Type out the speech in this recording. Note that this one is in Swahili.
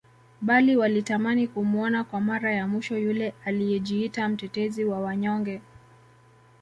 Bali walitamani kumuona kwa Mara ya mwisho yule aliyejiita mtetezi wa wanyonge